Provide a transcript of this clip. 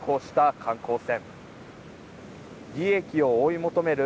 観光船